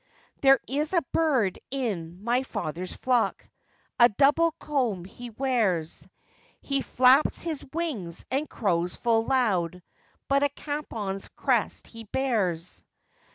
'There is a bird in my father's flock, A double comb he wears; He flaps his wings, and crows full loud, But a capon's crest he bears.